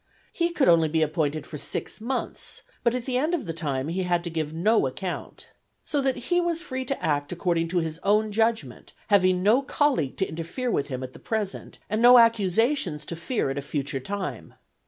He could only be appointed for six months, but at the end of the time he had to give no account. So that he was free to act according to his own judgment, having no colleague to interfere with him at the present, and no accusations to fear at a future time.